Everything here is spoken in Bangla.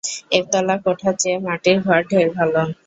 একতলা কোঠার চেয়ে মাটির ঘর ঢের ভাল।